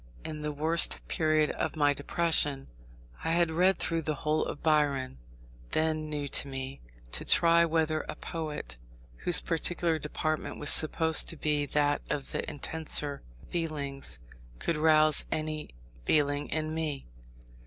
In the worst period of my depression, I had read through the whole of Byron (then new to me), to try whether a poet, whose peculiar department was supposed to be that of the intenser feelings, could rouse any feeling in me.